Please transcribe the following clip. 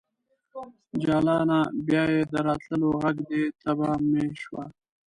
جلانه ! بیا یې د راتللو غږ دی تبه مې شوه